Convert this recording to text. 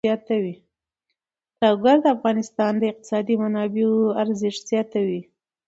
لوگر د افغانستان د اقتصادي منابعو ارزښت زیاتوي.